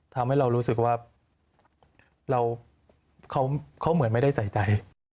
ทำให้เรารู้สึกว่าเขาเหมือนไม่ได้ใส่ใจ